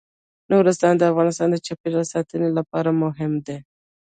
نورستان د افغانستان د چاپیریال ساتنې لپاره مهم دي.